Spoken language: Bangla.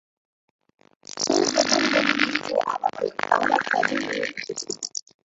সেই প্রথম ব্যক্তি যে আমাকে কামার-তাজে নিয়ে এসেছিল।